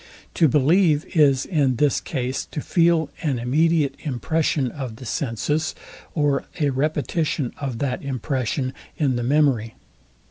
To believe is in this case to feel an immediate impression of the senses, or a repetition of that impression in the memory.